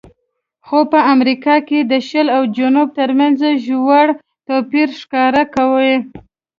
خو په امریکا کې د شل او جنوب ترمنځ ژور توپیر ښکاره کوي.